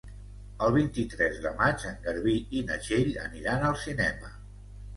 El vint-i-tres de maig en Garbí i na Txell aniran al cinema.